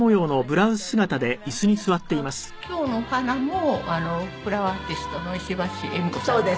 今日のお花もフラワーアーティストの石橋恵三子さんが生けて？